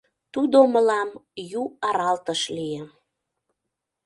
Тудо мылам ю аралтыш лие.